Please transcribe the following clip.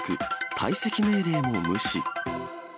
退席命令も無視。